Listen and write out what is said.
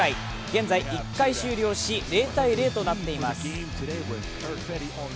現在、１回終了し０−０となっています。